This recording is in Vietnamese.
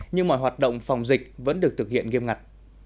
nhưng mọi hoạt động phòng dịch vẫn được thực hiện nghiêm ngặt